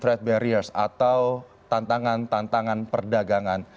trade barriers atau tantangan tantangan perdagangan